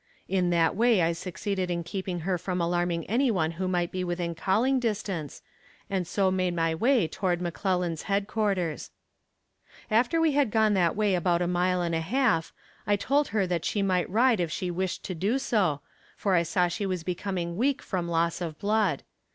In that way I succeeded in keeping her from alarming any one who might be within calling distance, and so made my way toward McClellan's headquarters. [Illustration: CATERING FOR HOSPITALS. Page 94.] After we had gone in that way about a mile and a half, I told her that she might ride if she wished to do so, for I saw she was becoming weak from loss of blood.